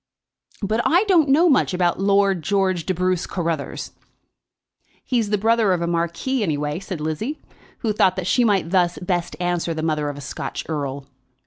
"But I don't know much about Lord George de Bruce Carruthers." "He's the brother of a marquis, anyway," said Lizzie, who thought that she might thus best answer the mother of a Scotch Earl.